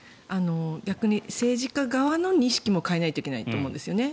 逆に政治家側の認識も変えないといけないと思うんですよね。